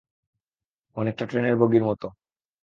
অনেকটা ট্রেনের বগির মতো।